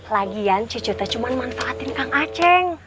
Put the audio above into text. lagian cucu tuh cuma manfaatin kang aceng